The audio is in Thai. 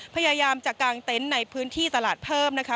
พยายามจะกางเต็นต์ในพื้นที่ตลาดเพิ่มนะคะ